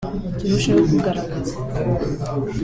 “Turusheho kugaragaza